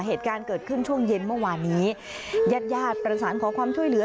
เหตุการณ์เกิดขึ้นช่วงเย็นเมื่อวานนี้ญาติญาติประสานขอความช่วยเหลือ